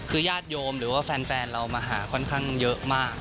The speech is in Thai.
คือญาติโยมหรือว่าแฟนเรามาหาค่อนข้างเยอะมาก